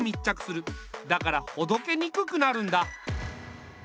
だからほどけにくくなるんだ。